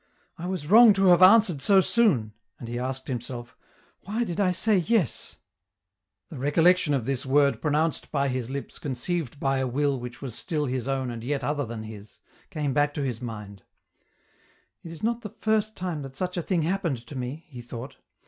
"I was wrong tc have ansverec sc soor,' andhe asked himself, " Wh) die I sa) ye? '?• Tht recollection of this word pronouncec bj hit lips conceived by a will which was still his own anc yet other thar his, came back tc his mind " It i? not the firs time that such a thmf happened tc me,' he thought.